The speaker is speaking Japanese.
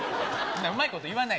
うまいこと言わないの。